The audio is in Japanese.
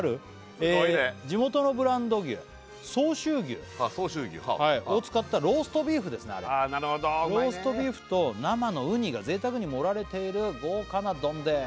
すごいね「地元のブランド牛相州牛を使った」ローストビーフですってあれなるほどうまいね「ローストビーフと生のウニが贅沢に盛られている豪華な丼です」